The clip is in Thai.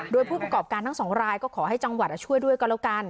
โดยผู้ประกอบการทั้งสองรายก็ขอให้จังหวัดช่วยด้วยก็แล้วกัน